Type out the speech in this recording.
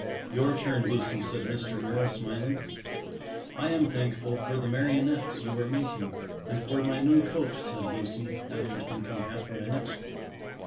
"Your turn, Lucy," said Mr. Merrill, smiling. "I am thankful for the marionettes you are making and for my new coat," said Lucy, after thinking half a minute.